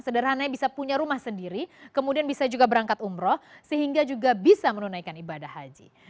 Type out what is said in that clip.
sederhananya bisa punya rumah sendiri kemudian bisa juga berangkat umroh sehingga juga bisa menunaikan ibadah haji